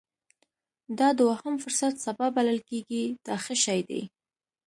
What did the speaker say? دا دوهم فرصت سبا بلل کېږي دا ښه شی دی.